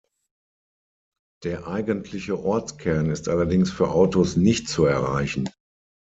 Der eigentliche Ortskern ist allerdings für Autos nicht zu erreichen.